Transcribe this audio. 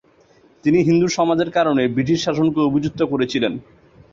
তিনি হিন্দু সমাজের কারণে ব্রিটিশ শাসনকে অভিযুক্ত করেছিলেন।